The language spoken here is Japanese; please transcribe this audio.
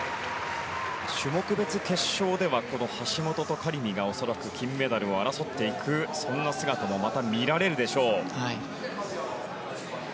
種目別決勝では橋本とカリミが恐らく、金メダルを争っていくそんな姿もまた見られるでしょう。